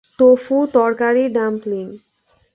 তোফু তরকারি ডাম্পলিং।